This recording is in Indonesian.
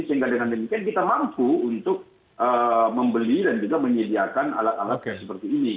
sehingga dengan demikian kita mampu untuk membeli dan juga menyediakan alat alat yang seperti ini